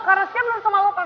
harusnya menurut sama lo kan